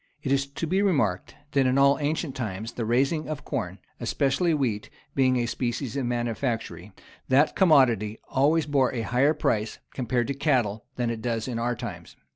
[*] It is to be remarked, that in all ancient times the raising of corn, especially wheat, being a species of manufactory, that commodity always bore a higher price, compared to cattle, than it does in our times.